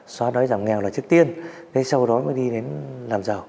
xóa đói giảm nghèo là trước tiên sau đó mới đi đến làm giàu